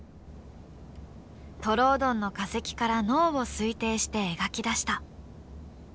トロオドンの化石から脳を推定して描き出した。